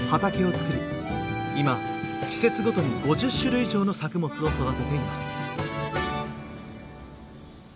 今季節ごとに５０種類以上の作物を育てています。